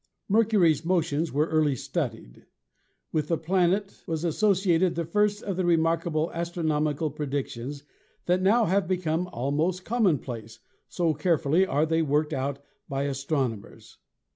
Mercury's motions were early studied. With the planet was associated the first of the remarkable astronomical predictions that now have become almost commonplace, so carefully are they worked out by astronomers.